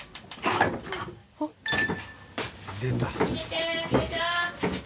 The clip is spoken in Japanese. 出た。